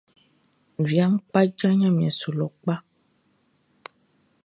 Viaʼn kpadja ɲanmiɛn su lɔ kpa.